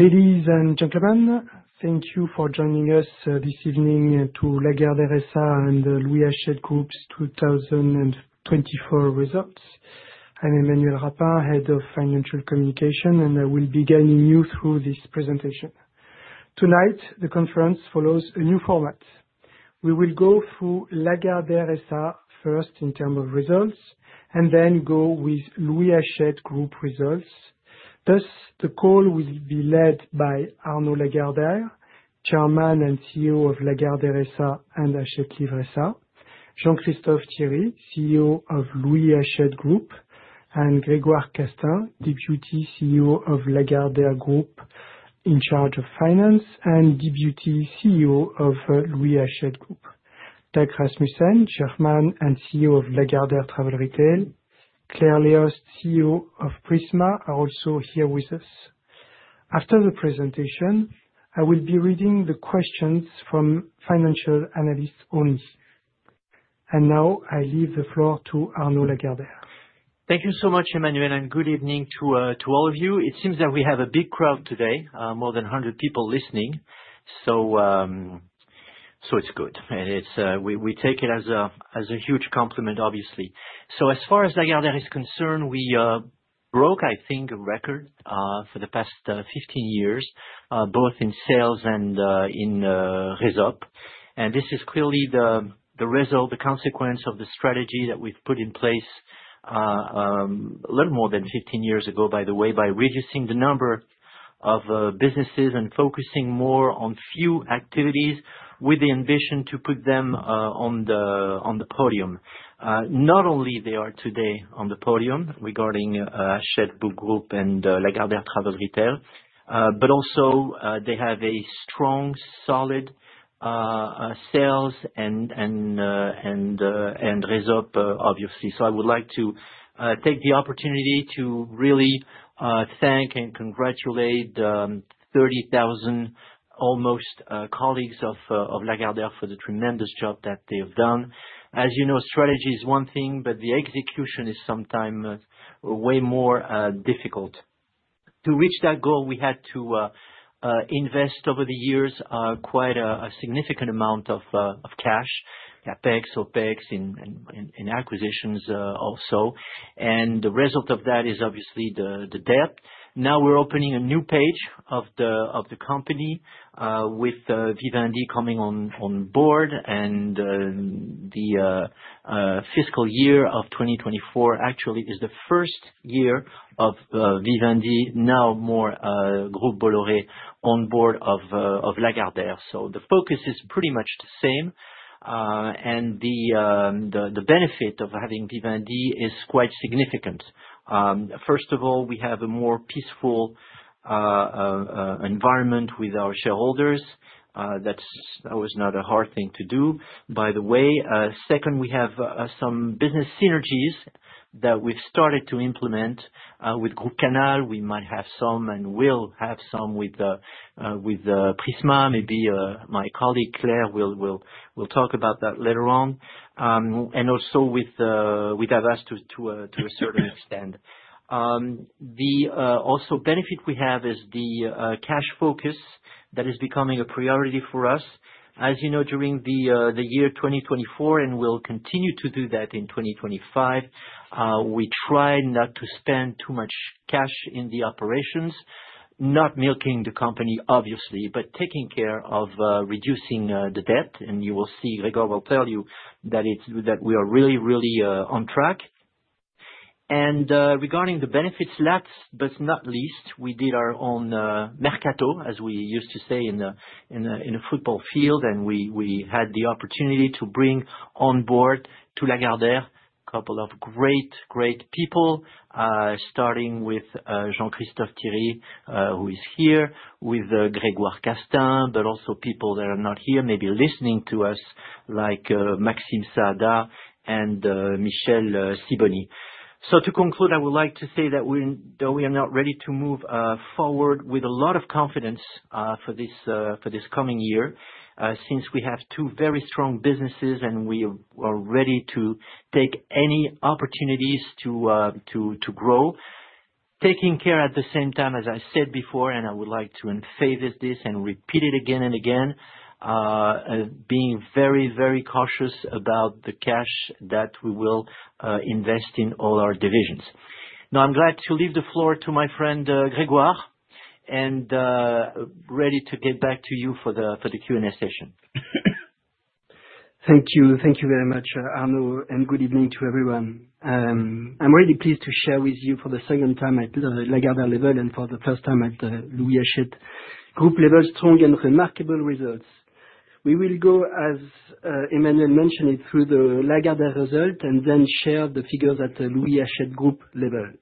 Ladies and gentlemen, thank you for joining us this evening for Lagardère and Louis Hachette Group's 2024 results. I'm Emmanuel Rapin, Head of Financial Communication, and I will be guiding you through this presentation. Tonight, the conference follows a new format. We will go through Lagardère first in terms of results, and then go with Louis Hachette Group results. Thus, the call will be led by Arnaud Lagardère, Chairman and CEO of Lagardère and Hachette Livre, Jean-Christophe Thiery, CEO of Louis Hachette Group, and Grégoire Castaing, Deputy CEO of Lagardère Group in charge of finance, and Deputy CEO of Louis Hachette Group. Dag Rasmussen, Chairman and CEO of Lagardère Travel Retail, Claire Léost, CEO of Prisma, are also here with us. After the presentation, I will be reading the questions from financial analysts only. Now, I leave the floor to Arnaud Lagardère. Thank you so much, Emmanuel, and good evening to all of you. It seems that we have a big crowd today, more than 100 people listening, so it's good. We take it as a huge compliment, obviously. So, as far as Lagardère is concerned, we broke, I think, a record for the past 15 years, both in sales and in results. And this is clearly the result, the consequence of the strategy that we've put in place a little more than 15 years ago, by the way, by reducing the number of businesses and focusing more on few activities with the ambition to put them on the podium. Not only are they today on the podium regarding Hachette Group and Lagardère Publishing and Travel Retail, but also they have a strong, solid sales and results, obviously. I would like to take the opportunity to really thank and congratulate almost 30,000 colleagues of Lagardère for the tremendous job that they have done. As you know, strategy is one thing, but the execution is sometimes way more difficult. To reach that goal, we had to invest over the years quite a significant amount of cash, CapEx, OpEx, and acquisitions also. The result of that is obviously the debt. Now, we're opening a new page of the company with Vivendi coming on board, and the fiscal year of 2024 actually is the first year of Vivendi, now Bolloré Group on board of Lagardère. The focus is pretty much the same, and the benefit of having Vivendi is quite significant. First of all, we have a more peaceful environment with our shareholders. That was not a hard thing to do, by the way. Second, we have some business synergies that we've started to implement with Canal+ Group. We might have some, and we'll have some with Prisma. Maybe my colleague Claire will talk about that later on. And also with Havas to a certain extent. The other benefit we have is the cash focus that is becoming a priority for us. As you know, during the year 2024, and we'll continue to do that in 2025, we try not to spend too much cash in the operations, not milking the company, obviously, but taking care of reducing the debt. And you will see, Grégoire will tell you that we are really, really on track. Regarding the benefits, last but not least, we did our own mercato, as we used to say in a football field, and we had the opportunity to bring on board to Lagardère a couple of great, great people, starting with Jean-Christophe Thiery, who is here, with Grégoire Castaing, but also people that are not here, maybe listening to us, like Maxime Saada and Michel Siboni. To conclude, I would like to say that we are now ready to move forward with a lot of confidence for this coming year, since we have two very strong businesses and we are ready to take any opportunities to grow. Taking care at the same time, as I said before, and I would like to emphasize this and repeat it again and again, being very, very cautious about the cash that we will invest in all our divisions. Now, I'm glad to leave the floor to my friend Grégoire and ready to get back to you for the Q&A session. Thank you. Thank you very much, Arnaud, and good evening to everyone. I'm really pleased to share with you for the second time at Lagardère level and for the first time at Louis Hachette Group level, strong and remarkable results. We will go, as Emmanuel mentioned, through the Lagardère result and then share the figures at the Louis Hachette Group level.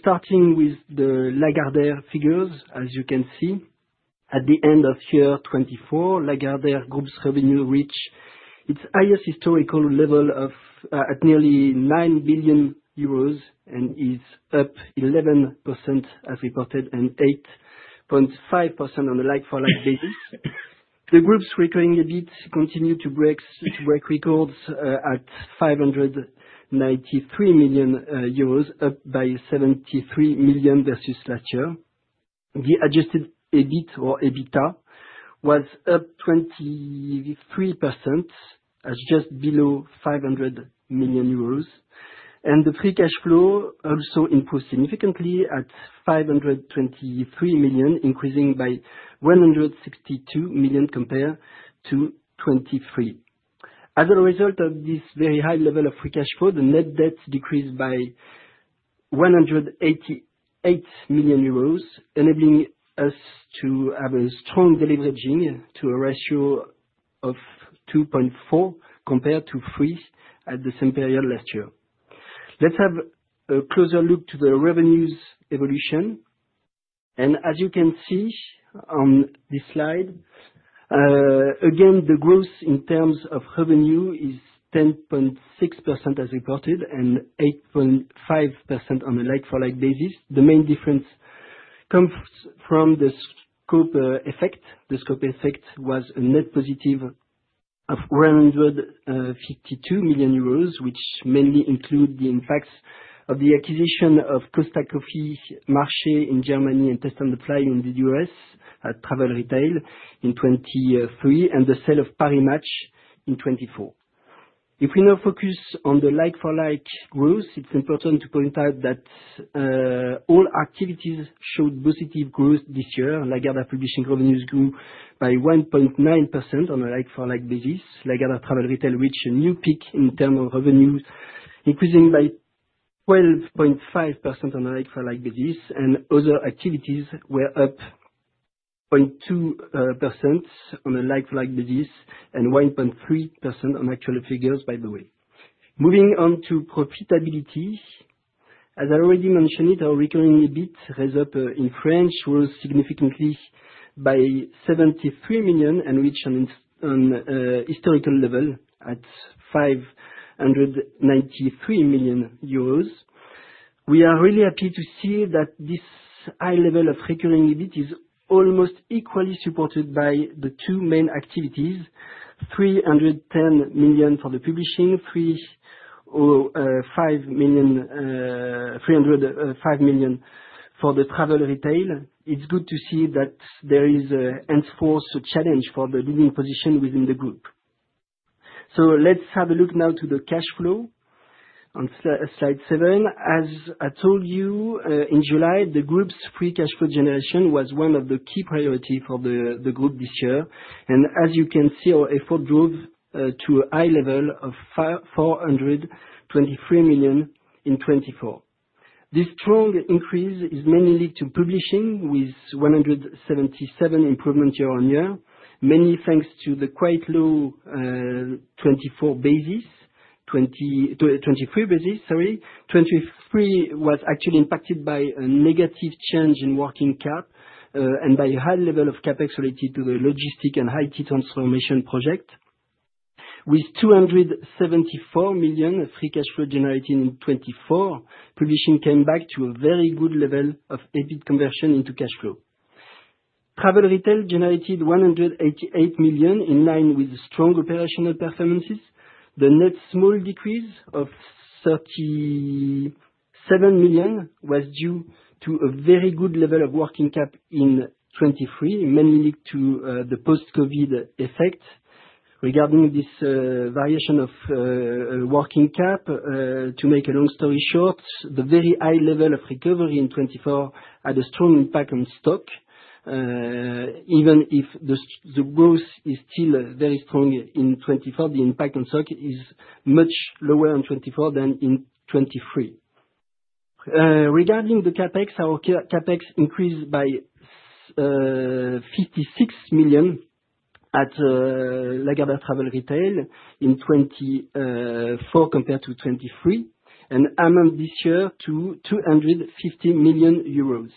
Starting with the Lagardère figures, as you can see, at the end of 2024, Lagardère Group's revenue reached its highest historical level at nearly 9 billion euros and is up 11% as reported and 8.5% on a like-for-like basis. The group's recurring EBIT continued to break records at 593 million euros, up by 73 million versus last year. The adjusted EBIT or EBITA was up 23%, just below 500 million euros. And the free cash flow also improved significantly at 523 million, increasing by 162 million compared to 2023. As a result of this very high level of free cash flow, the net debt decreased by 188 million euros, enabling us to have a strong deleveraging to a ratio of 2.4 compared to 3 at the same period last year. Let's have a closer look to the revenues evolution. And as you can see on this slide, again, the growth in terms of revenue is 10.6% as reported and 8.5% on a like-for-like basis. The main difference comes from the scope effect. The scope effect was a net positive of 152 million euros, which mainly includes the impacts of the acquisition of Costa Coffee, Marché in Germany and Tastes on the Fly in the US at Travel Retail in 2023 and the sale of Paris Match in 2024. If we now focus on the like-for-like growth, it's important to point out that all activities showed positive growth this year. Lagardère Publishing revenues grew by 1.9% on a like-for-like basis. Lagardère Travel Retail reached a new peak in terms of revenues, increasing by 12.5% on a like-for-like basis. Other activities were up 0.2% on a like-for-like basis and 1.3% on actual figures, by the way. Moving on to profitability, as I already mentioned, our recurring EBIT rose up in French growth significantly by 73 million and reached an historical level at 593 million euros. We are really happy to see that this high level of recurring EBIT is almost equally supported by the two main activities: 310 million for the publishing, 305 million for the travel retail. It's good to see that there is an enforced challenge for the leading position within the group. So, let's have a look now to the cash flow on slide 7. As I told you, in July, the group's free cash flow generation was one of the key priorities for the group this year. And as you can see, our effort drove to a high level of 423 million in 2024. This strong increase is mainly linked to publishing with 177 improvements year on year, mainly thanks to the quite low 2024 basis. 2023 basis, sorry. 2023 was actually impacted by a negative change in working cap and by a high level of CapEx related to the logistic and high-tech transformation project. With 274 million free cash flow generated in 2024, publishing came back to a very good level of EBIT conversion into cash flow. Travel retail generated 188 million in line with strong operational performances. The net small decrease of 37 million was due to a very good level of working cap in 2023, mainly linked to the post-COVID effect. Regarding this variation of working cap, to make a long story short, the very high level of recovery in 2024 had a strong impact on stock. Even if the growth is still very strong in 2024, the impact on stock is much lower in 2024 than in 2023. Regarding the CapEx, our CapEx increased by 56 million at Lagardère Travel Retail in 2024 compared to 2023, and amounted this year to 250 million euros.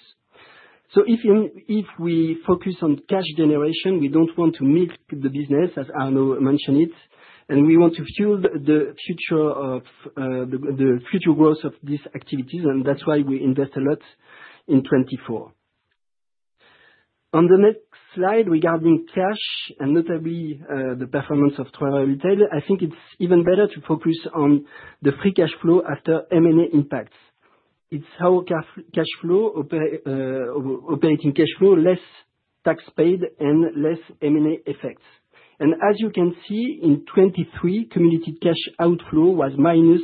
If we focus on cash generation, we don't want to milk the business, as Arnaud mentioned it, and we want to fuel the future growth of these activities, and that's why we invest a lot in 2024. On the next slide, regarding cash, and notably the performance of Travel Retail, I think it's even better to focus on the free cash flow after M&A impacts. It's our operating cash flow, less tax paid, and less M&A effects. And as you can see, in 2023, cumulative cash outflow was minus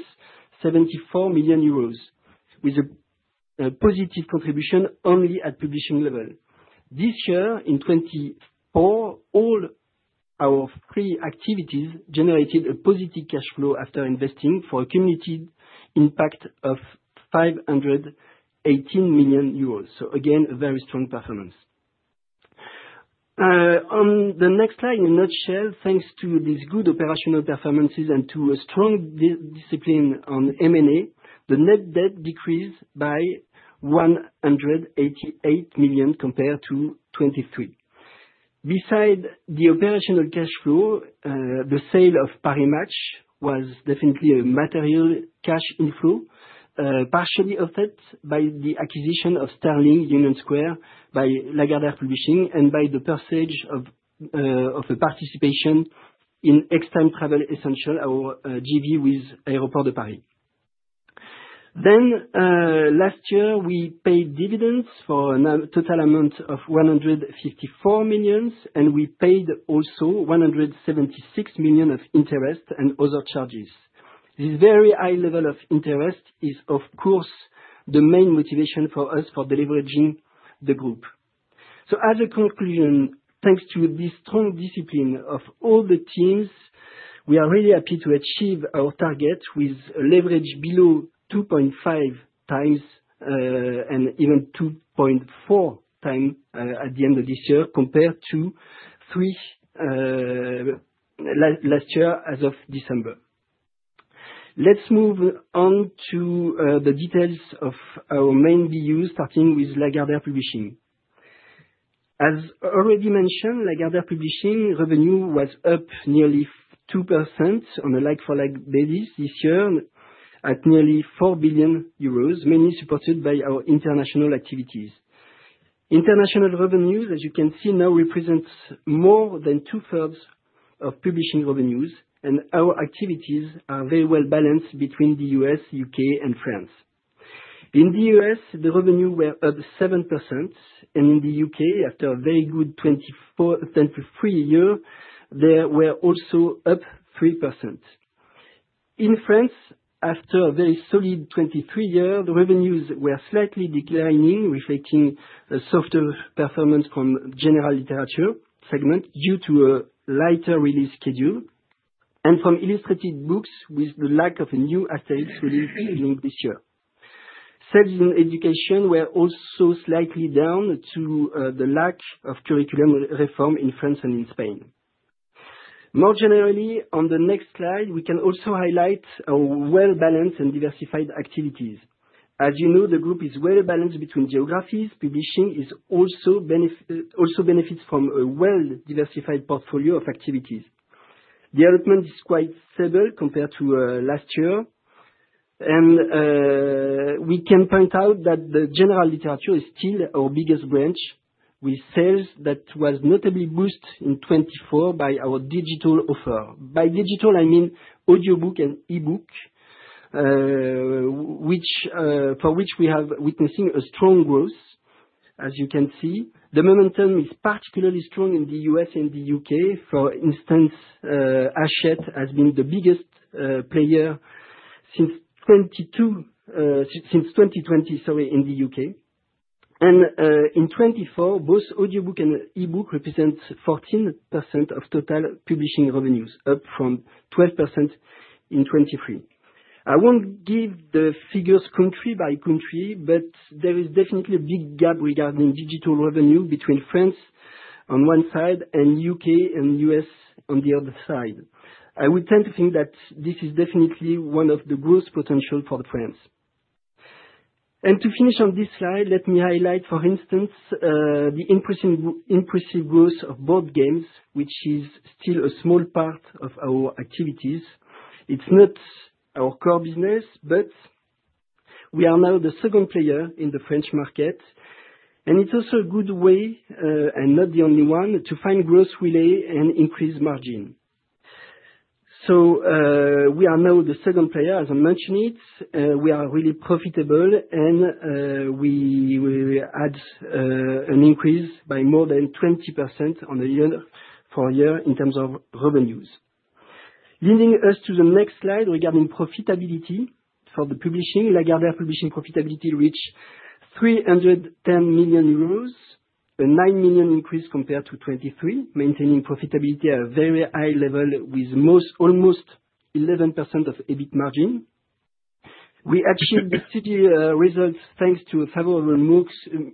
74 million euros, with a positive contribution only at publishing level. This year, in 2024, all our free activities generated a positive cash flow after investing for a cumulative impact of 518 million euros. So, again, a very strong performance. On the next slide, in a nutshell, thanks to these good operational performances and to a strong discipline on M&A, the net debt decreased by 188 million compared to 2023. Besides the operational cash flow, the sale of Paris Match was definitely a material cash inflow, partially affected by the acquisition of Sterling Union Square by Lagardère Publishing and by the percentage of participation in Extime Travel Essentials, our JV with Aéroports de Paris. Then, last year, we paid dividends for a total amount of 154 million, and we paid also 176 million of interest and other charges. This very high level of interest is, of course, the main motivation for us for deleveraging the group. So, as a conclusion, thanks to this strong discipline of all the teams, we are really happy to achieve our target with leverage below 2.5 times and even 2.4 times at the end of this year compared to last year as of December. Let's move on to the details of our main BU, starting with Lagardère Publishing. As already mentioned, Lagardère Publishing revenue was up nearly 2% on a like-for-like basis this year at nearly 4 billion euros, mainly supported by our international activities. International revenues, as you can see, now represent more than two-thirds of publishing revenues, and our activities are very well balanced between the US, UK, and France. In the US, the revenue was up 7%, and in the UK, after a very good 2023, they were also up 3%. In France, after a very solid 2023, the revenues were slightly declining, reflecting a softer performance from general literature segment due to a lighter release schedule and from illustrated books with the lack of a new academic release this year. Services in education were also slightly down due to the lack of curriculum reform in France and in Spain. More generally, on the next slide, we can also highlight our well-balanced and diversified activities. As you know, the group is well-balanced between geographies. Publishing also benefits from a well-diversified portfolio of activities. Development is quite stable compared to last year. And we can point out that the general literature is still our biggest branch, with sales that were notably boosted in 2024 by our digital offer. By digital, I mean audiobook and e-book, for which we are witnessing a strong growth, as you can see. The momentum is particularly strong in the US and the UK For instance, Hachette has been the biggest player since 2020, sorry, in the UK And in 2024, both audiobook and e-book represent 14% of total publishing revenues, up from 12% in 2023. I won't give the figures country by country, but there is definitely a big gap regarding digital revenue between France on one side and the UK and US on the other side. I would tend to think that this is definitely one of the growth potentials for France. And to finish on this slide, let me highlight, for instance, the impressive growth of board games, which is still a small part of our activities. It's not our core business, but we are now the second player in the French market. And it's also a good way, and not the only one, to find growth relay and increase margin. So, we are now the second player, as I mentioned it. We are really profitable, and we had an increase by more than 20% on a year-on-year in terms of revenues. Leading us to the next slide regarding profitability for the publishing. Lagardère Publishing profitability reached 310 million euros, a nine million increase compared to 2023, maintaining profitability at a very high level with almost 11% of EBIT margin. We achieved the results thanks to a favorable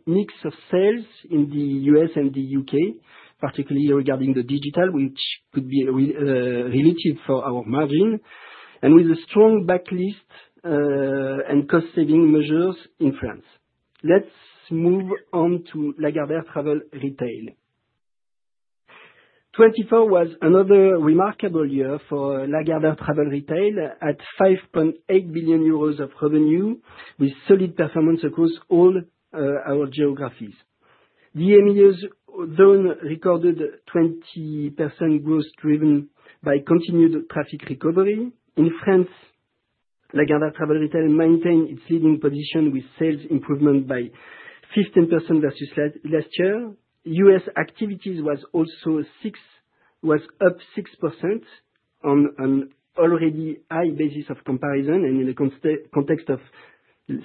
mix of sales in the US and the UK, particularly regarding the digital, which could be relative for our margin, and with a strong backlist and cost-saving measures in France. Let's move on to Lagardère Travel Retail. 2024 was another remarkable year for Lagardère Travel Retail at 5.8 billion euros of revenue, with solid performance across all our geographies. The MEA zone recorded 20% growth driven by continued traffic recovery. In France, Lagardère Travel Retail maintained its leading position with sales improvement by 15% versus last year. US activities was up 6% on an already high basis of comparison and in the context of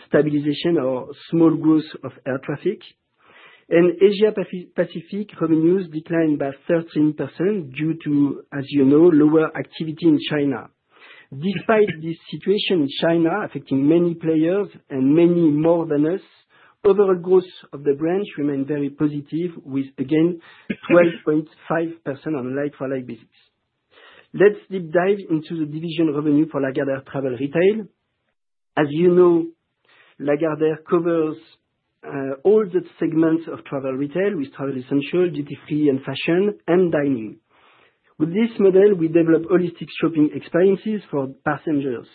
stabilization or small growth of air traffic, and Asia-Pacific revenues declined by 13% due to, as you know, lower activity in China. Despite this situation in China affecting many players and many more than us, overall growth of the branch remained very positive with, again, 12.5% on a like-for-like basis. Let's deep dive into the division revenue for Lagardère Travel Retail. As you know, Lagardère covers all the segments of travel retail with travel essentials, duty-free, and fashion, and dining. With this model, we develop holistic shopping experiences for passengers.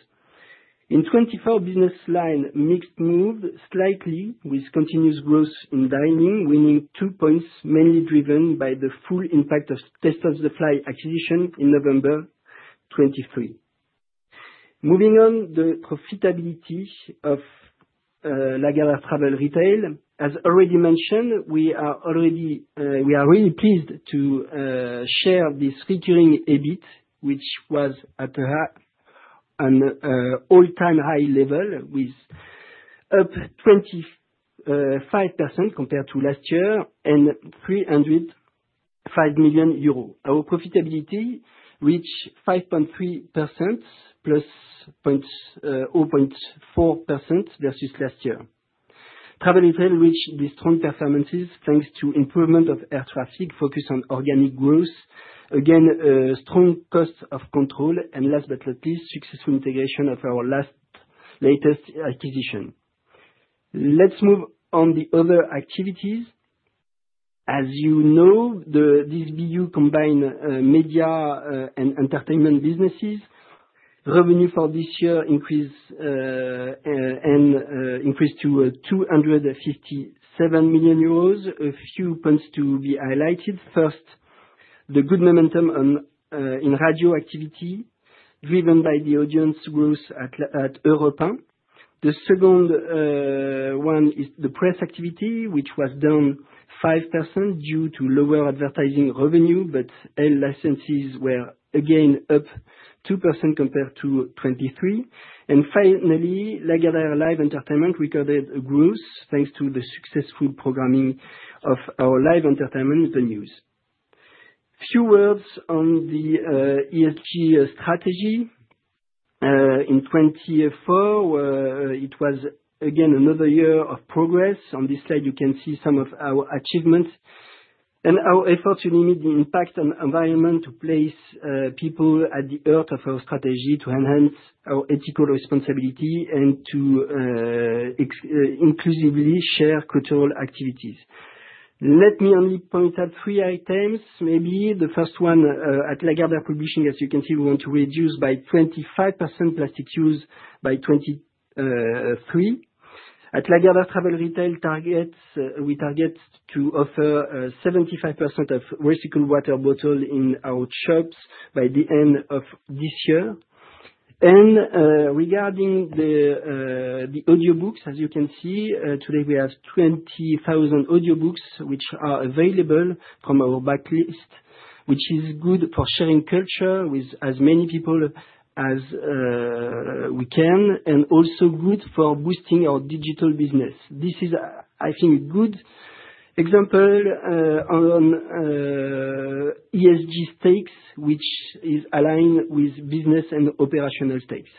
In 2024, business line mix moved slightly with continuous growth in dining, winning two points mainly driven by the full impact of Tastes on the Fly acquisition in November 2023. Moving on, the profitability of Lagardère Travel Retail. As already mentioned, we are really pleased to share this recurring EBIT, which was at an all-time high level with up 25% compared to last year and 305 million euros. Our profitability reached 5.3% plus 0.4% versus last year. Travel Retail reached these strong performances thanks to improvement of air traffic, focus on organic growth, again, strong cost control, and last but not least, successful integration of our latest acquisition. Let's move on to the other activities. As you know, this BU combines media and entertainment businesses. Revenue for this year increased to 257 million euros. A few points to be highlighted. First, the good momentum in radio activity driven by the audience growth at Europe 1. The second one is the press activity, which was down 5% due to lower advertising revenue, but Elle licenses were, again, up 2% compared to 2023. Finally, Lagardère Live Entertainment recorded growth thanks to the successful programming of our live entertainment venues. Few words on the ESG strategy. In 2024, it was, again, another year of progress. On this slide, you can see some of our achievements. Our effort to limit the impact on the environment to place people at the heart of our strategy to enhance our ethical responsibility and to inclusively share cultural activities. Let me only point out three items, maybe. The first one, at Lagardère Publishing, as you can see, we want to reduce by 25% plastic use by 2023. At Lagardère Travel Retail, we target to offer 75% of recyclable water bottles in our shops by the end of this year. Regarding the audiobooks, as you can see, today we have 20,000 audiobooks which are available from our backlist, which is good for sharing culture with as many people as we can and also good for boosting our digital business. This is, I think, a good example on ESG stakes, which is aligned with business and operational stakes.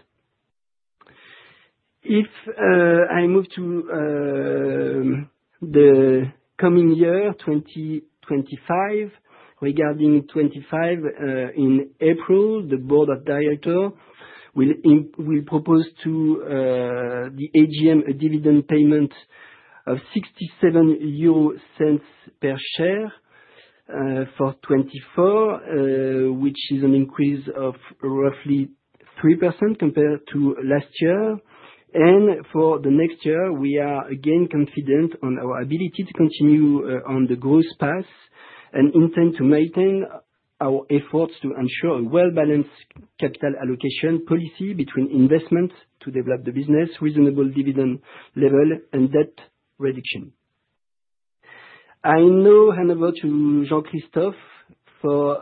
If I move to the coming year, 2025, regarding 2025, in April, the board of directors will propose to the AGM a dividend payment of 67 euro per share for 2024, which is an increase of roughly 3% compared to last year. For the next year, we are again confident on our ability to continue on the growth path and intend to maintain our efforts to ensure a well-balanced capital allocation policy between investment to develop the business, reasonable dividend level, and debt reduction.I now hand over to Jean-Christophe for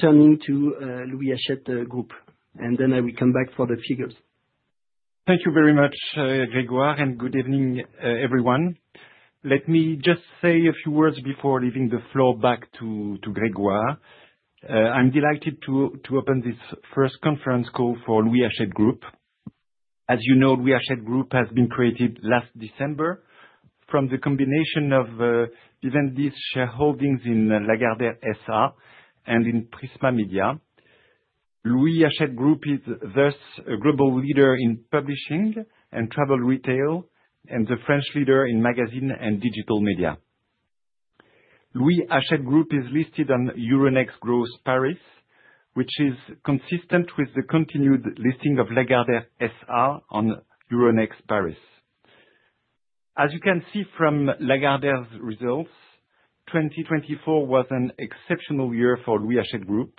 turning to Louis Hachette Group, and then I will come back for the figures. Thank you very much, Grégoire, and good evening, everyone. Let me just say a few words before leaving the floor back to Grégoire. I'm delighted to open this first conference call for Louis Hachette Group. As you know, Louis Hachette Group has been created last December from the combination of Vivendi's shareholdings in Lagardère SA and in Prisma Media. Louis Hachette Group is thus a global leader in publishing and travel retail and the French leader in magazine and digital media. Louis Hachette Group is listed on Euronext Growth Paris, which is consistent with the continued listing of Lagardère SA on Euronext Paris. As you can see from Lagardère's results, 2024 was an exceptional year for Louis Hachette Group.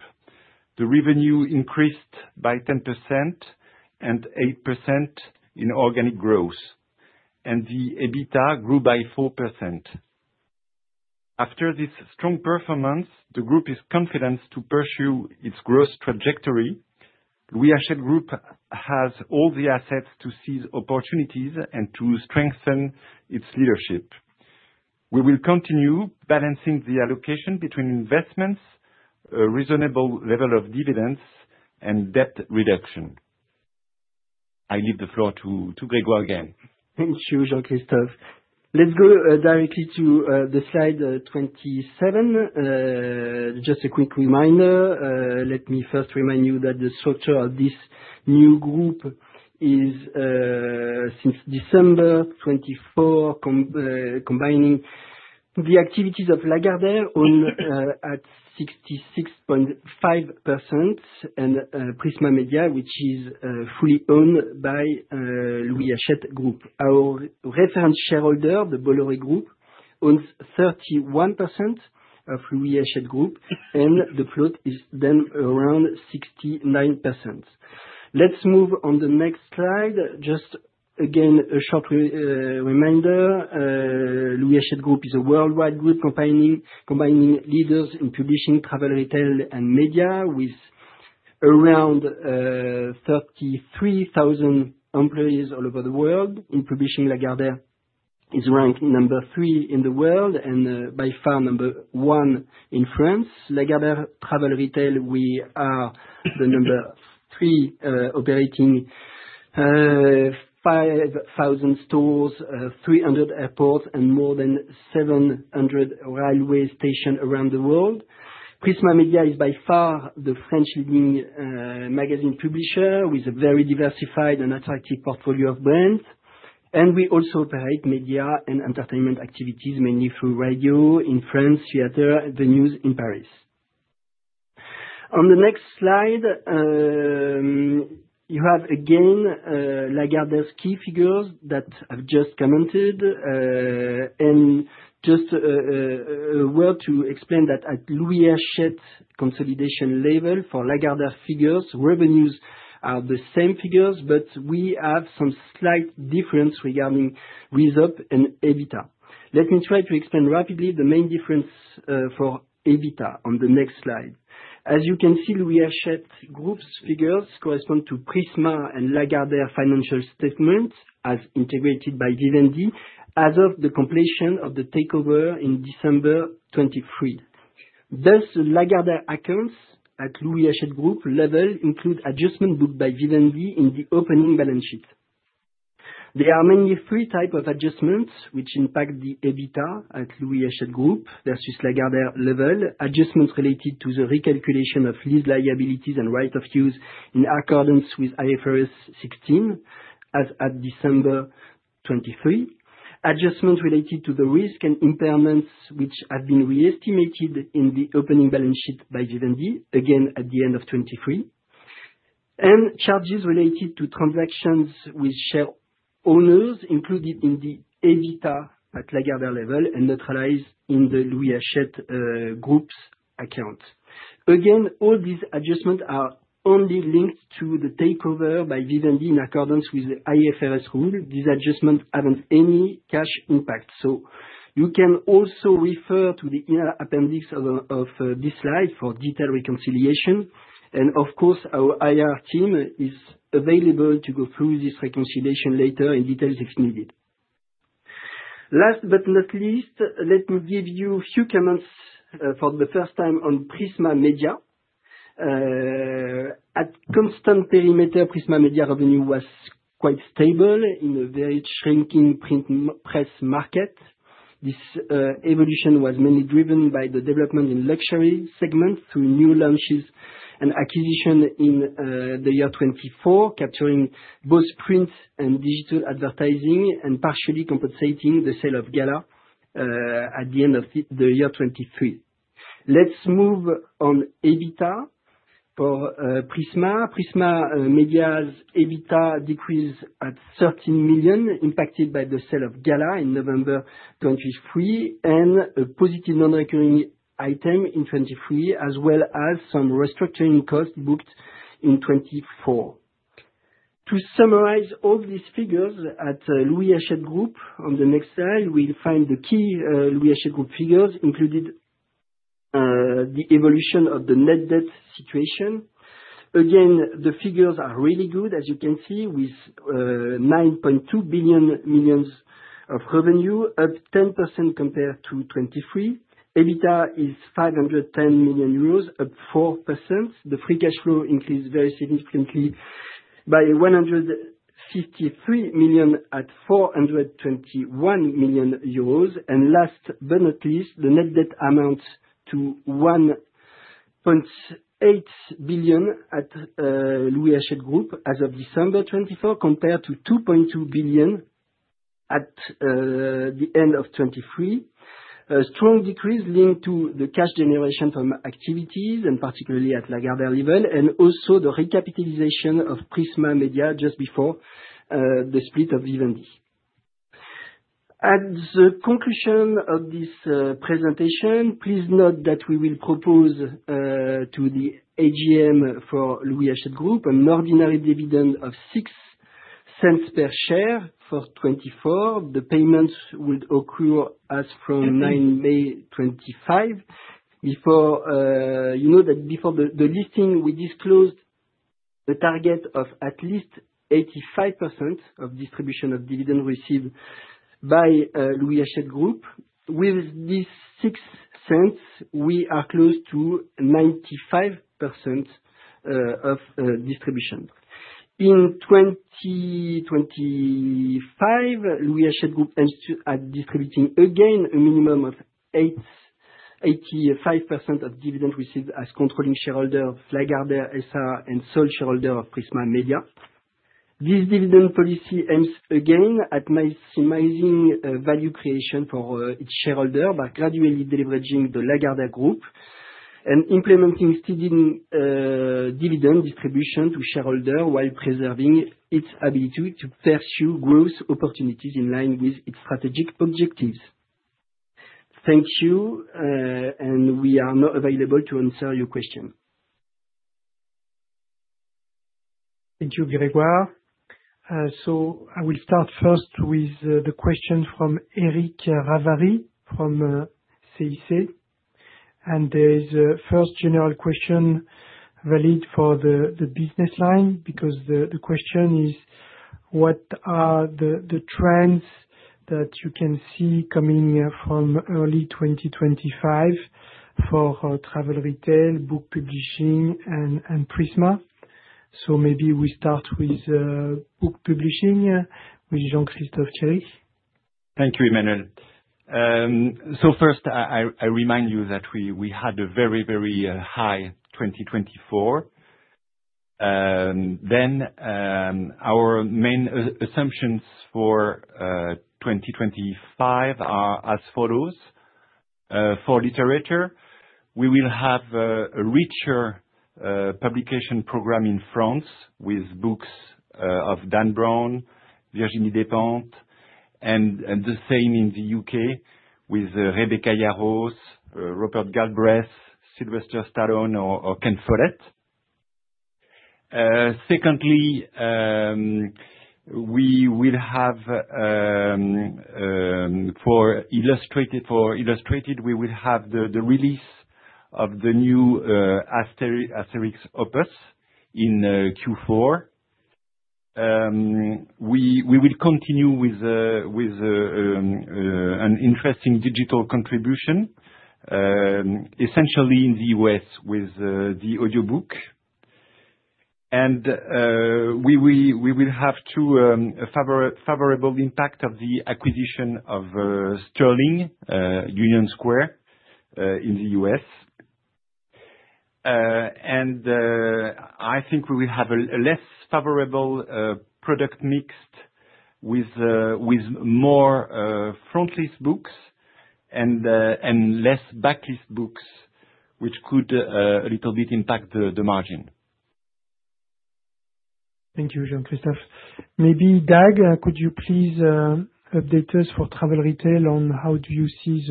The revenue increased by 10% and 8% in organic growth, and the EBITDA grew by 4%. After this strong performance, the group is confident to pursue its growth trajectory. Louis Hachette Group has all the assets to seize opportunities and to strengthen its leadership. We will continue balancing the allocation between investments, a reasonable level of dividends, and debt reduction. I leave the floor to Grégoire again. Thank you, Jean-Christophe. Let's go directly to slide 27. Just a quick reminder, let me first remind you that the structure of this new group is since December 2024, combining the activities of Lagardère at 66.5% and Prisma Media, which is fully owned by Louis Hachette Group. Our reference shareholder, the Bolloré Group, owns 31% of Louis Hachette Group, and the float is then around 69%. Let's move on to the next slide. Just again, a short reminder. Louis Hachette Group is a worldwide group combining leaders in publishing, travel retail, and media with around 33,000 employees all over the world. In publishing, Lagardère is ranked number three in the world and by far number one in France. Lagardère Travel Retail, we are the number three operating 5,000 stores, 300 airports, and more than 700 railway stations around the world. Prisma Media is by far the French leading magazine publisher with a very diversified and attractive portfolio of brands. And we also operate media and entertainment activities mainly through radio in France, theater, and venues in Paris. On the next slide, you have again Lagardère's key figures that I've just commented. And just a word to explain that at Louis Hachette consolidation level for Lagardère figures, revenues are the same figures, but we have some slight difference regarding RESOP and EBITDA. Let me try to explain rapidly the main difference for EBITDA on the next slide. As you can see, Louis Hachette Group's figures correspond to Prisma and Lagardère financial statements as integrated by Vivendi as of the completion of the takeover in December 2023. Thus, Lagardère accounts at Louis Hachette Group level include adjustment booked by Vivendi in the opening balance sheet. There are mainly three types of adjustments which impact the EBITDA at Louis Hachette Group versus Lagardère level: adjustments related to the recalculation of lease liabilities and right of use in accordance with IFRS 16 as at December 2023. Adjustments related to the risk and impairments which have been re-estimated in the opening balance sheet by Vivendi, again at the end of 2023. And charges related to transactions with share owners included in the EBITDA at Lagardère level and neutralized in the Louis Hachette Group's accounts. Again, all these adjustments are only linked to the takeover by Vivendi in accordance with the IFRS rule. These adjustments haven't any cash impact, so you can also refer to the appendix of this slide for detailed reconciliation, and of course, our IR team is available to go through this reconciliation later in detail if needed. Last but not least, let me give you a few comments for the first time on Prisma Media. At constant perimeter, Prisma Media revenue was quite stable in a very shrinking print press market. This evolution was mainly driven by the development in luxury segments through new launches and acquisitions in the year 2024, capturing both print and digital advertising and partially compensating the sale of Gala at the end of the year 2023. Let's move on to EBITDA for Prisma. Prisma Media's EBITDA decreased to 13 million, impacted by the sale of Gala in November 2023 and a positive non-recurring item in 2023, as well as some restructuring costs booked in 2024. To summarize all these figures at Louis Hachette Group, on the next slide, we'll find the key Louis Hachette Group figures including the evolution of the net debt situation. Again, the figures are really good, as you can see, with 9.2 billion of revenue, up 10% compared to 2023. EBITDA is 510 million euros, up 4%. The free cash flow increased very significantly by 153 million to 421 million euros. And last but not least, the net debt amounts to 1.8 billion at Louis Hachette Group as of December 2024 compared to 2.2 billion at the end of 2023. A strong decrease linked to the cash generation from activities, and particularly at Lagardère level, and also the recapitalization of Prisma Media just before the split of Vivendi. At the conclusion of this presentation, please note that we will propose to the AGM for Louis Hachette Group an ordinary dividend of 0.06 per share for 2024. The payments would occur as from 9 May 2025. You know that before the listing, we disclosed the target of at least 85% of distribution of dividend received by Louis Hachette Group. With these 0.06, we are close to 95% of distribution. In 2025, Louis Hachette Group aims to distribute again a minimum of 85% of dividend received as controlling shareholder of Lagardère SA and sole shareholder of Prisma Media. This dividend policy aims again at maximizing value creation for its shareholder by gradually leveraging the Lagardère Group and implementing steady dividend distribution to shareholders while preserving its ability to pursue growth opportunities in line with its strategic objectives. Thank you, and we are not available to answer your question. Thank you, Grégoire. I will start first with the question from Éric Ravary from CIC. There is a first general question valid for the business line because the question is, what are the trends that you can see coming from early 2025 for travel retail, book publishing, and Prisma. Maybe we start with book publishing with Jean-Christophe Thiery. Thank you, Emmanuel. First, I remind you that we had a very, very high 2024. Then our main assumptions for 2025 are as follows. For literature, we will have a richer publication program in France with books of Dan Brown, Virginie Despentes, and the same in the UK with Rebecca Yarros, Robert Galbraith, Sylvester Stallone, or Ken Follett. Secondly, we will have for illustrated, we will have the release of the new Asterix Opus in Q4. We will continue with an interesting digital contribution, essentially in the US with the audiobook. We will have the favorable impact of the acquisition of Sterling Union Square in the US I think we will have a less favorable product mix with more frontlist books and less backlist books, which could a little bit impact the margin. Thank you, Jean-Christophe. Maybe Dag, could you please update us for travel retail on how do you see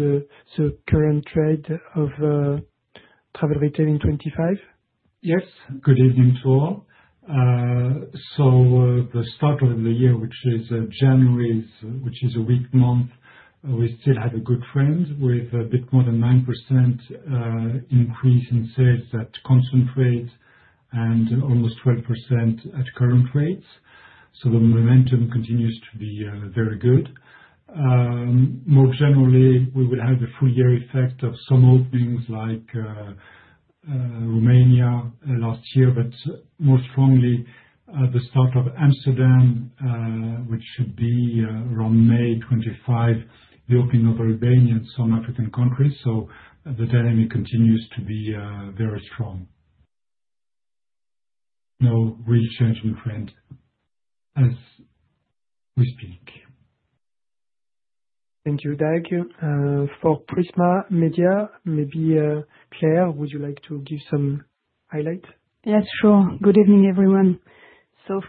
the current trends of travel retail in 2025? Yes. Good evening to all. The start of the year, which is January, which is a weak month, we still have a good trend with a bit more than 9% increase in sales at constant and almost 12% at current rates. The momentum continues to be very good. More generally, we will have the full year effect of some openings like Romania last year, but more strongly at the start in Amsterdam, which should be around May 25, the opening of Albania and some African countries. The dynamic continues to be very strong. No real change in trend as we speak. Thank you, Dag. For Prisma Media, maybe Claire, would you like to give some highlights? Yes, sure. Good evening, everyone.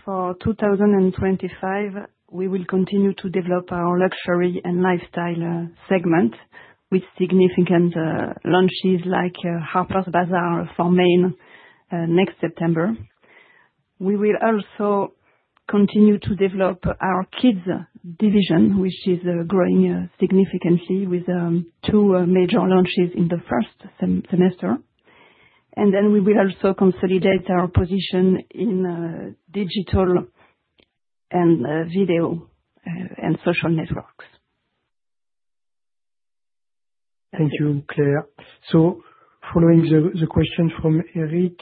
For 2025, we will continue to develop our luxury and lifestyle segment with significant launches like Harper's Bazaar for France next September. We will also continue to develop our kids' division, which is growing significantly with two major launches in the first semester. And then we will also consolidate our position in digital and video and social networks. Thank you, Claire. So following the question from Éric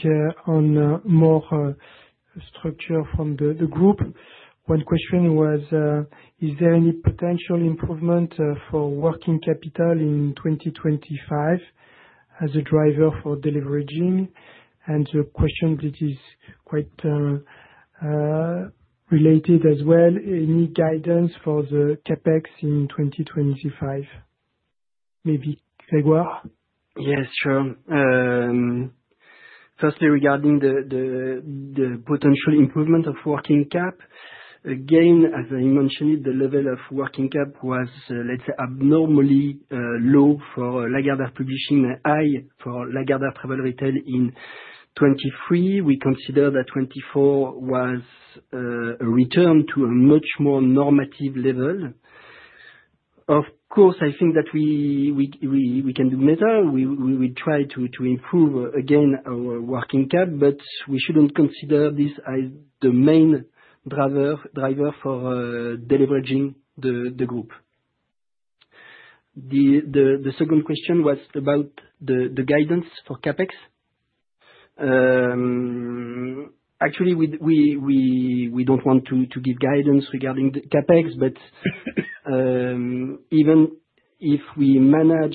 on more structure from the group, one question was, is there any potential improvement for working capital in 2025 as a driver for delivery? And the question that is quite related as well, any guidance for the CapEx in 2025? Maybe Grégoire? Yes, sure. Firstly, regarding the potential improvement of working cap, again, as I mentioned, the level of working cap was, let's say, abnormally low for Lagardère Publishing and high for Lagardère Travel Retail in 2023. We consider that 2024 was a return to a much more normative level. Of course, I think that we can do better. We will try to improve again our working cap, but we shouldn't consider this as the main driver for delivering the group. The second question was about the guidance for CapEx. Actually, we don't want to give guidance regarding CapEx, but even if we manage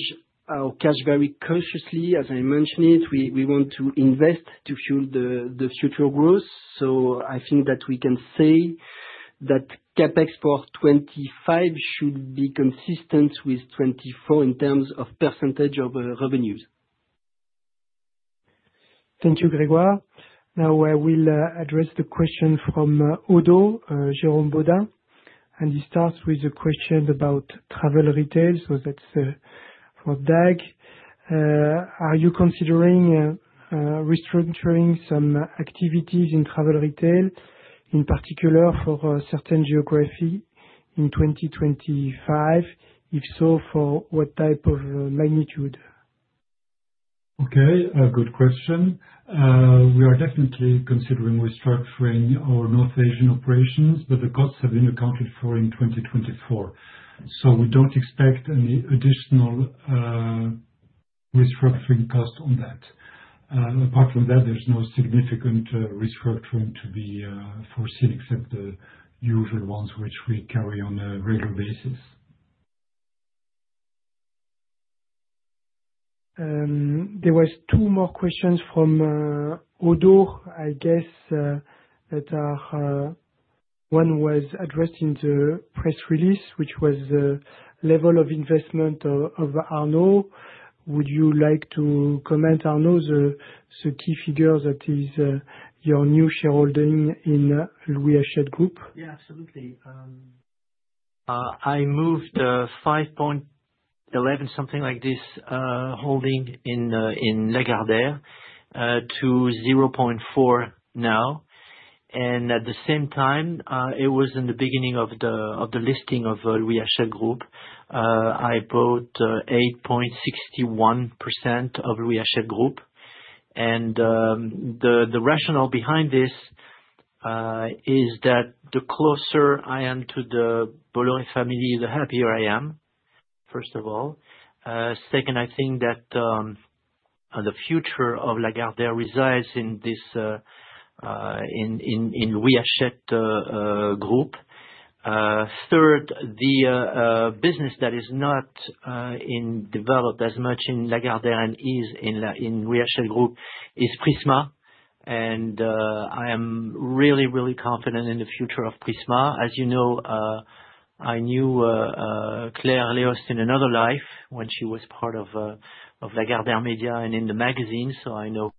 our cash very cautiously, as I mentioned, we want to invest to fuel the future growth. So I think that we can say that CapEx for 2025 should be consistent with 2024 in terms of percentage of revenues. Thank you, Grégoire. Now, I will address the question from Oddo, Jérôme Bodin. He starts with a question about travel retail. So that's for Dag. Are you considering restructuring some activities in travel retail, in particular for certain geographies in 2025? If so, for what type of magnitude? Okay. Good question. We are definitely considering restructuring our North Asian operations, but the costs have been accounted for in 2024. So we don't expect any additional restructuring costs on that. Apart from that, there's no significant restructuring to be foreseen except the usual ones, which we carry on a regular basis. There were two more questions from Oddo, I guess, that one was addressed in the press release, which was the level of investment of Arnaud. Would you like to comment, Arnaud, the key figure that is your new shareholding in Louis Hachette Group? Yeah, absolutely. I moved 5.11%, something like this, holding in Lagardère to 0.4% now. And at the same time, it was in the beginning of the listing of Louis Hachette Group. I bought 8.61% of Louis Hachette Group.The rationale behind this is that the closer I am to the Bolloré family, the happier I am, first of all. Second, I think that the future of Lagardère resides in Louis Hachette Group. Third, the business that is not developed as much in Lagardère and is in Louis Hachette Group is Prisma. And I am really, really confident in the future of Prisma. As you know, I knew Claire Léost in another life when she was part of Lagardère Media and in the magazine. So I know.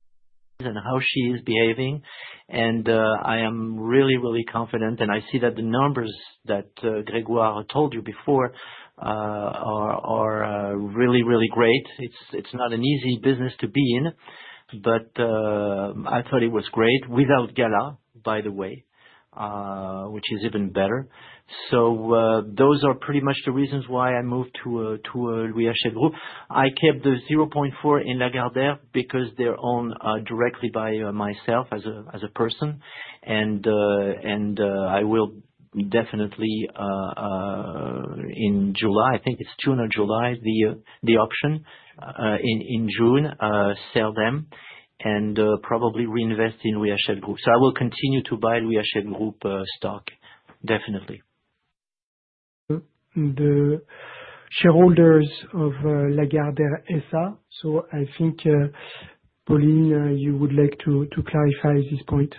And how she is behaving. And I am really, really confident. And I see that the numbers that Grégoire told you before are really, really great. It's not an easy business to be in, but I thought it was great without Gala, by the way, which is even better. So those are pretty much the reasons why I moved to Louis Hachette Group. I kept the 0.4% in Lagardère because they're owned directly by myself as a person. And I will definitely, in July, I think it's June or July, the option in June, sell them and probably reinvest in Louis Hachette Group. So I will continue to buy Louis Hachette Group stock, definitely. The shareholders of Lagardère SA. So I think, Pauline, you would like to clarify this point.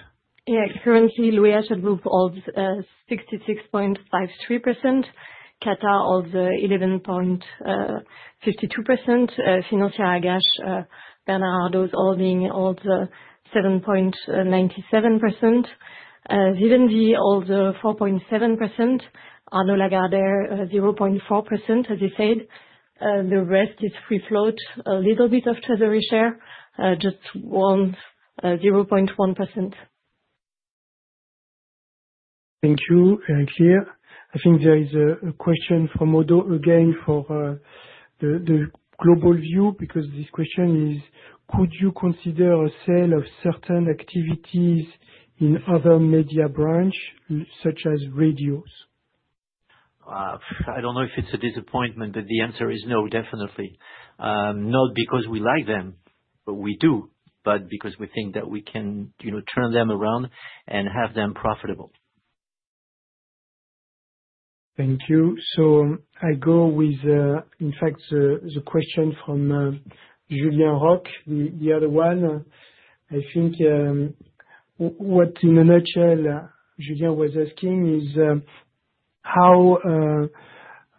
Yeah. Currently, Louis Hachette Group holds 66.53%. Qatar holds 11.52%. Financière Agache, Bernard Arnault holding holds 7.97%. Vivendi holds 4.7%. Arnaud Lagardère, 0.4%, as you said. The rest is free float, a little bit of treasury share, just 0.1%. Thank you, Éric. I think there is a question from Oddo again for the global view because this question is, could you consider a sale of certain activities in other media branches, such as radios? I don't know if it's a disappointment, but the answer is no, definitely. Not because we like them, but we do, but because we think that we can turn them around and have them profitable. Thank you. So I go with, in fact, the question from Julien Roch, the other one. I think what in a nutshell, Julien was asking is how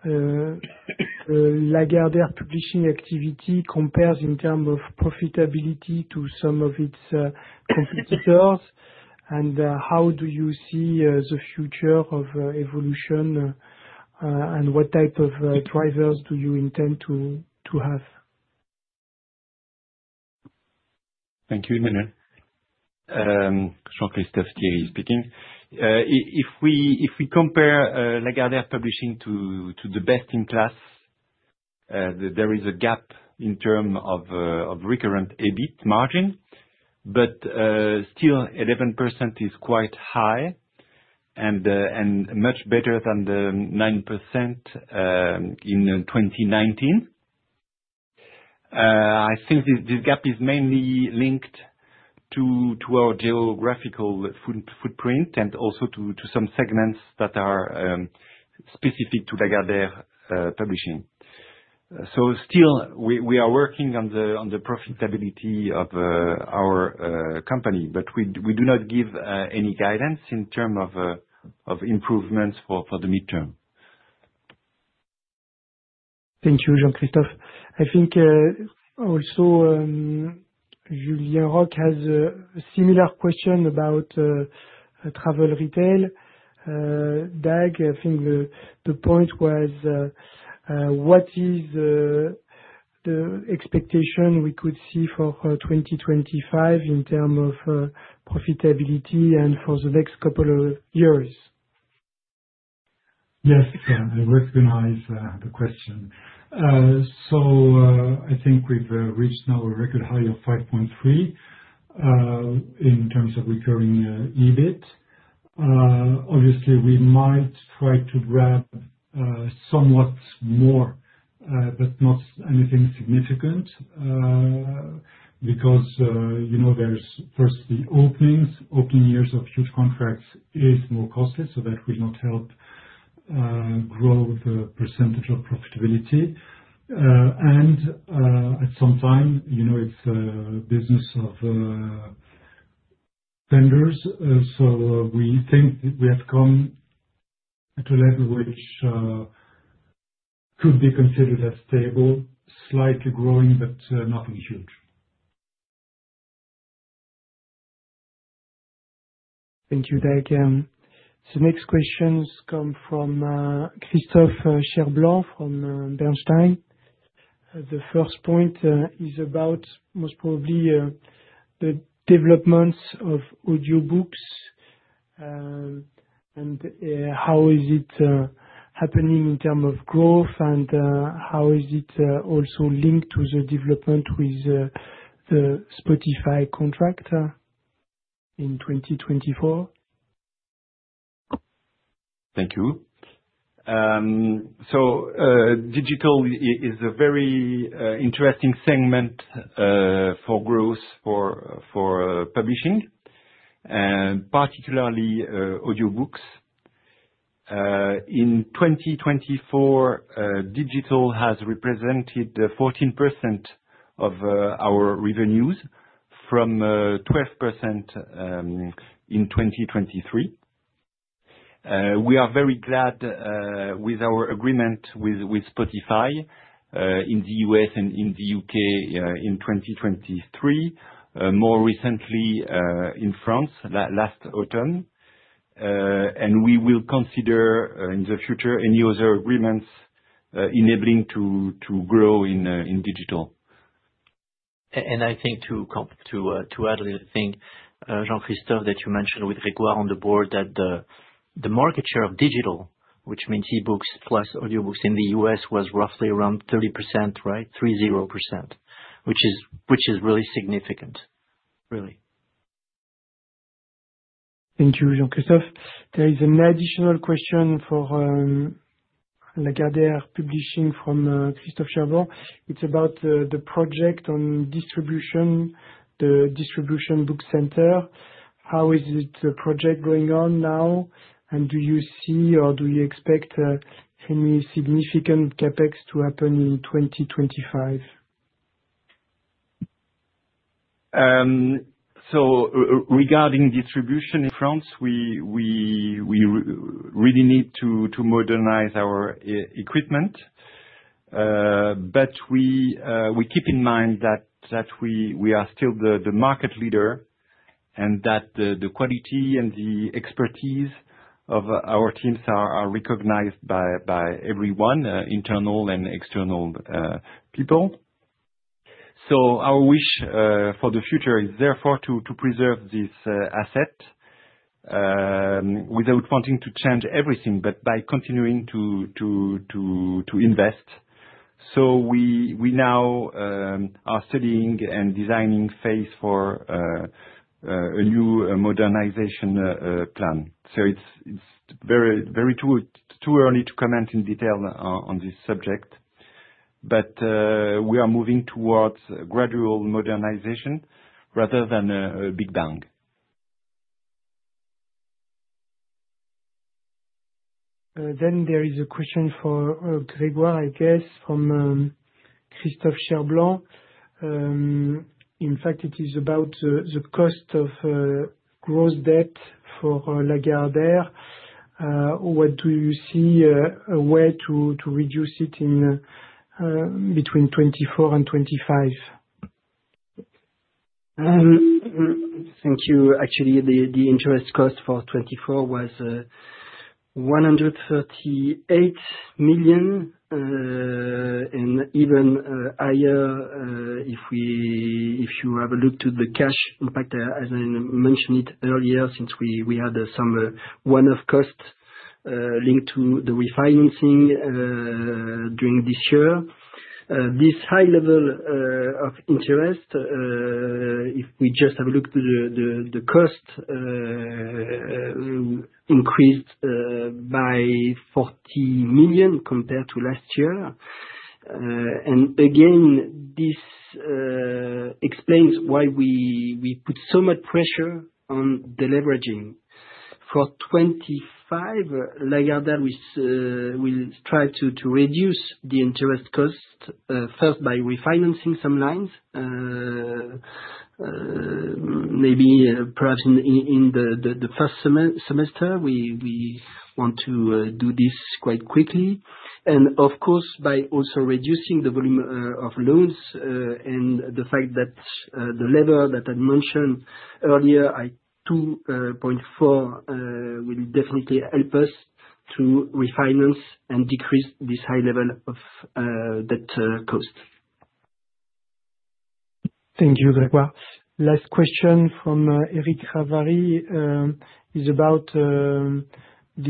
Lagardère Publishing activity compares in terms of profitability to some of its competitors, and how do you see the future of evolution, and what type of drivers do you intend to have? Thank you, Emmanuel. Jean-Christophe Thiery speaking. If we compare Lagardère Publishing to the best in class, there is a gap in terms of recurring EBIT margin, but still, 11% is quite high and much better than the 9% in 2019. I think this gap is mainly linked to our geographical footprint and also to some segments that are specific to Lagardère Publishing. So still, we are working on the profitability of our company, but we do not give any guidance in terms of improvements for the midterm. Thank you, Jean-Christophe. I think also Julien Roch has a similar question about travel retail. Dag, I think the point was, what is the expectation we could see for 2025 in terms of profitability and for the next couple of years? Yes. I recognize the question. So I think we've reached now a record high of 5.3 in terms of recurring EBIT. Obviously, we might try to grab somewhat more, but not anything significant because there's first the openings. Opening years of huge contracts is more costly, so that will not help grow the percentage of profitability. And at some time, it's a business of vendors. So we think we have come to a level which could be considered as stable, slightly growing, but nothing huge. Thank you, Dag. So next questions come from Christophe Cherblanc from Bernstein. The first point is about most probably the developments of audiobooks and how is it happening in terms of growth and how is it also linked to the development with the Spotify contract in 2024? Thank you. So digital is a very interesting segment for growth for publishing, particularly audiobooks. In 2024, digital has represented 14% of our revenues from 12% in 2023. We are very glad with our agreement with Spotify in the US and in the UK in 2023, more recently in France last autumn. And we will consider in the future any other agreements enabling to grow in digital. And I think to add a little thing, Jean-Christophe, that you mentioned with Grégoire on the board that the market share of digital, which means e-books plus audiobooks in the US, was roughly around 30%, right? 30%, which is really significant, really. Thank you, Jean-Christophe. There is an additional question for Lagardère Publishing from Christophe Cherblanc. It's about the project on distribution, the distribution book center. How is the project going on now? And do you see or do you expect any significant CapEx to happen in 2025? So regarding distribution in France, we really need to modernize our equipment. But we keep in mind that we are still the market leader and that the quality and the expertise of our teams are recognized by everyone, internal and external people. So our wish for the future is therefore to preserve this asset without wanting to change everything, but by continuing to invest. So we now are studying and designing phase for a new modernization plan. So it's very too early to comment in detail on this subject, but we are moving towards gradual modernization rather than a big bang. Then there is a question for Grégoire, I guess, from Christophe Cherblanc. In fact, it is about the cost of gross debt for Lagardère. What do you see a way to reduce it between 2024 and 2025? Thank you. Actually, the interest cost for 2024 was 138 million and even higher if you have a look to the cash impact, as I mentioned earlier, since we had some one-off costs linked to the refinancing during this year. This high level of interest, if we just have a look to the cost, increased by 40 million compared to last year. And again, this explains why we put so much pressure on the leveraging. For 2025, Lagardère will try to reduce the interest cost first by refinancing some lines, maybe perhaps in the first semester. We want to do this quite quickly. And of course, by also reducing the volume of loans and the fact that the lever that I mentioned earlier, 2.4, will definitely help us to refinance and decrease this high level of debt cost. Thank you, Grégoire. Last question from Éric Ravarie is about the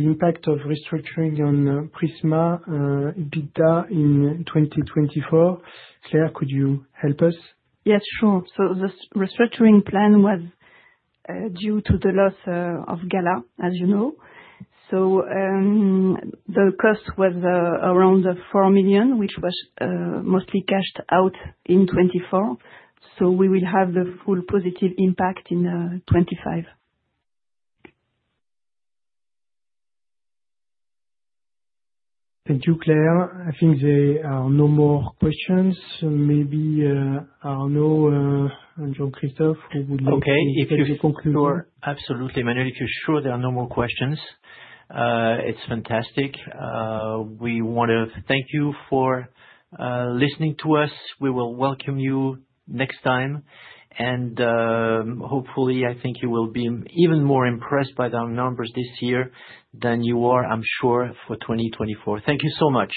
impact of restructuring on Prisma EBITDA in 2024. Claire, could you help us? Yes, sure. So the restructuring plan was due to the loss of Gala, as you know. So the cost was around 4 million, which was mostly cashed out in 2024. So we will have the full positive impact in 2025. Thank you, Claire. I think there are no more questions. Maybe Arnaud and Jean-Christophe, who would like to conclude? Okay. If you're sure. Absolutely, Emmanuel. If you're sure there are no more questions, it's fantastic. We want to thank you for listening to us. We will welcome you next time. And hopefully, I think you will be even more impressed by the numbers this year than you are, I'm sure, for 2024. Thank you so much.